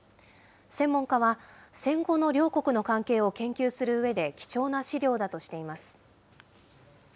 専門家は、戦後の両国の関係を研究するうえで貴重な史料だとしています。